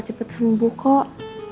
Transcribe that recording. cepet sembuh kok